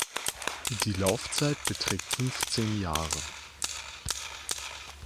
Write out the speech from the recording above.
Die Laufzeit beträgt fünfzehn Jahre.